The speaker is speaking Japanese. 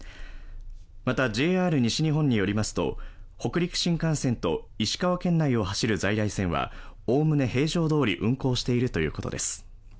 また、ＪＲ西日本によりますと、北陸新幹線と石川県内を走る在来線はおおむね平常どおり運行しているということです。